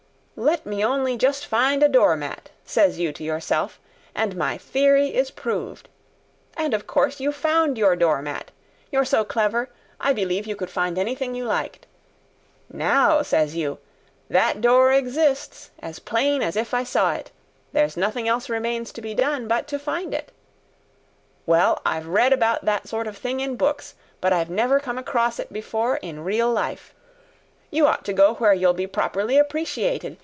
'Let me only just find a door mat,' says you to yourself, 'and my theory is proved!' And of course you found your door mat. You're so clever, I believe you could find anything you liked. 'Now,' says you, 'that door exists, as plain as if I saw it. There's nothing else remains to be done but to find it!' Well, I've read about that sort of thing in books, but I've never come across it before in real life. You ought to go where you'll be properly appreciated.